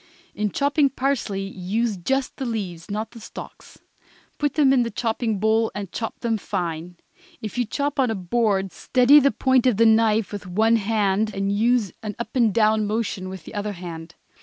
In chopping parsley use just the leaves, not the stalks; put them in the chopping bowl and chop them fine. If you chop on a board steady the point of a knife with one hand and use an up and down motion with the other hand.